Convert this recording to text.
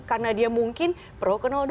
karena dia mungkin pro ke dua